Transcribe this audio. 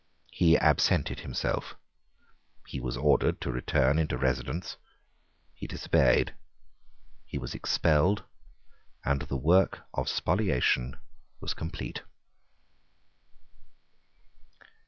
He absented himself; he was ordered to return into residence: he disobeyed: he was expelled; and the work of spoliation was complete.